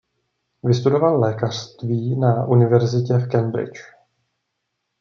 Vystudoval lékařství na univerzitě v Cambridge.